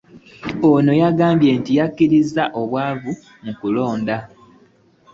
Ono yagambye nti yakkiriza ebyava mu kulonda